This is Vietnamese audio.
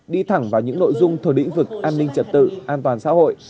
đi thẳng vào những nội dung thuộc lĩnh vực an ninh trật tự an toàn xã hội